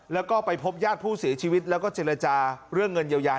แล้วก็ไปพบญาติผู้เสียชีวิตแล้วก็เจรจาเรื่องเงินเยียวยา